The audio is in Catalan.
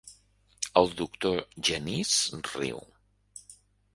El doctor Genís riu.